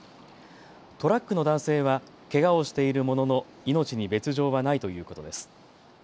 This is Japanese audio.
トラックの男性はけがをしているものの命に別状はないということです。